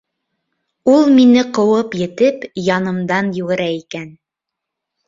Ул мине ҡыуып етеп, янымдан йүгерә икән.